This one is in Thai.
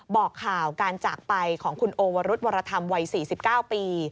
บอกข่าวการจากไปของคุณโอวรุธวรธรรมวัย๔๙ปี